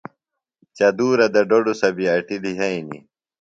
چدُورہ دےۡ ڈوۡڈُسہ بیۡ اٹیۡ لِھئینیۡ۔